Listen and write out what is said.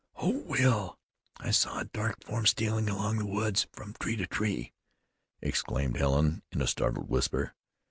"Oh! Will! I saw a dark form stealing along in the woods from tree to tree!" exclaimed Helen in a startled whisper.